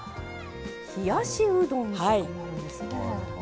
冷やしうどんとかもあるんですね。